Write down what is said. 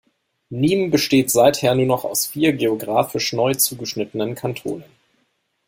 Nîmes besteht seither nur noch aus vier geografisch neu zugeschnittenen Kantonen.